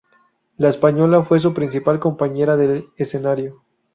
La española fue su principal compañera de escenario.